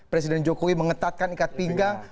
presiden jokowi mengetatkan ikat pinggang